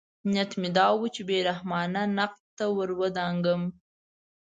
نیت مې دا و چې بې رحمانه نقد ته ورودانګم.